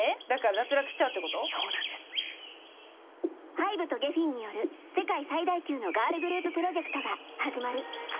ＨＹＢＥとＧｅｆｆｅｎによる世界最大級のガールグループプロジェクトが始まる。